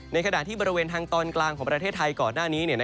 ในขณะที่บริเวณทางตอนกลางของประเทศไทยก่อนหน้านี้